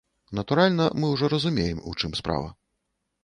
Натуральна, мы ўжо разумеем, у чым справа.